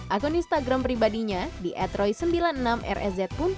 akun instagram pribadinya di etroy sembilan puluh enam rsz pun